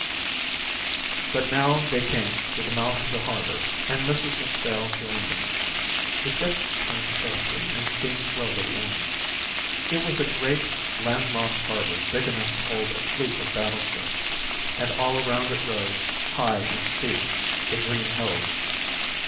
But now they came to the mouth of the harbour and Mrs Macphail joined them. The ship turned sharply and steamed slowly in. It was a great land locked harbour big enough to hold a fleet of battleships; and all around it rose, high and steep, the green hills.